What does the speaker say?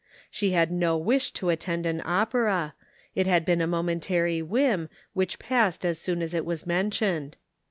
She had no wish to attend an opera ; it had been a mo mentary whim, which passed as soon as it was mentioned.